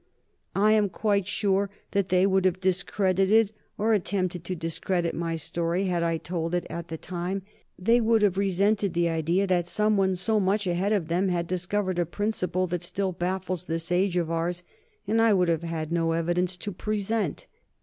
I am quite sure that they would have discredited, or attempted to discredit, my story, had I told it at the time. They would have resented the idea that someone so much ahead of them had discovered a principle that still baffles this age of ours, and I would have had no evidence to present.